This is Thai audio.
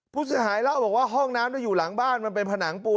ผู้เสียหายเล่าบอกว่าห้องน้ำอยู่หลังบ้านมันเป็นผนังปูน